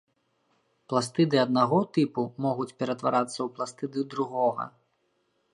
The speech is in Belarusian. Пластыды аднаго тыпу могуць ператварацца ў пластыды другога.